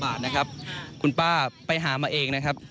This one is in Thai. ๑๐บาทค่ะ๑๐บาทนะครับคุณป้าไปหามาเองนะครับ